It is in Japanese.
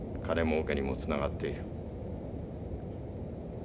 金もうけにもつながっている。